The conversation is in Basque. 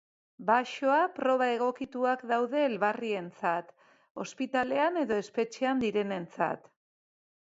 Baxoa proba egokituak daude elbarrientzat, ospitalean edo espetxean direnentzat.